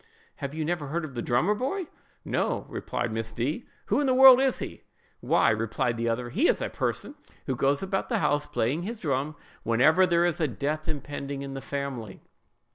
have you never heard of the drummer boy?"—"No," replied Miss D——; "who in the world is he?"—"Why," replied the other, "he is a person who goes about the house playing his drum whenever there is a death impending in the family.